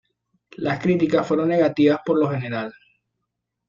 Las críticas fueron negativas por lo general.